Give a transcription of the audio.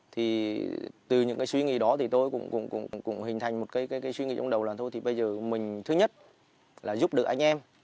thì từ những cái suy nghĩ đó thì tôi cũng hình thành một cái suy nghĩ trong đầu là thôi thì bây giờ mình thứ nhất là giúp đỡ anh em